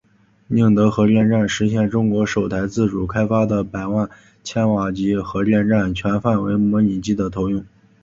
宁德核电站实现中国首台自主开发的百万千瓦级核电站全范围模拟机的投用。